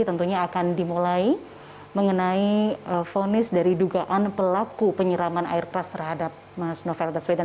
tentunya akan dimulai mengenai fonis dari dugaan pelaku penyiraman air keras terhadap mas novel baswedan